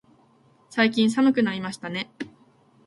最近寒くなりましたね。